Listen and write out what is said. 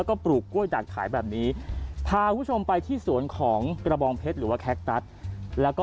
งอกงามสวยงามสุดท้าย